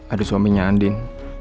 ada suaminya andin